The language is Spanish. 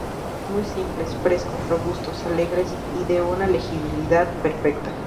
Muy simples, frescos, robustos, alegres y de una legibilidad perfecta.